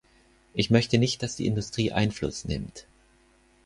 Ich möchte nicht, dass die Industrie Einfluss nimmt.